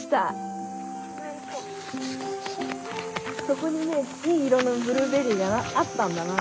そこにねいい色のブルーベリーがあったんだな。